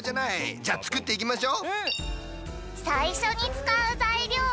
じゃあ作っていきましょ。